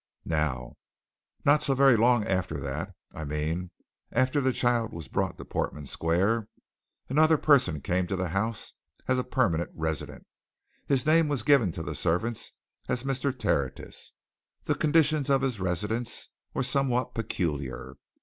"Now, not so very long after that I mean, after the child was brought to Portman Square another person came to the house as a permanent resident. His name was given to the servants as Mr. Tertius. The conditions of his residence were somewhat peculiar.